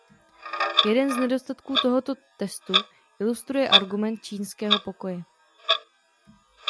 Jeden z nedostatků tohoto testu ilustruje argument čínského pokoje.